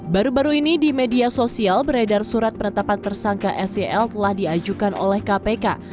baru baru ini di media sosial beredar surat penetapan tersangka sel telah diajukan oleh kpk